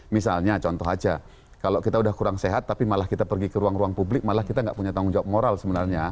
misalnya contoh aja kalau kita udah kurang sehat tapi malah kita pergi ke ruang ruang publik malah kita nggak punya tanggung jawab moral sebenarnya